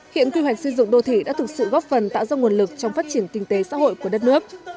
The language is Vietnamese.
hiện quy hoạch xây dựng đô thị đã thực sự góp phần tạo ra nguồn lực trong phát triển kinh tế xã hội của đất nước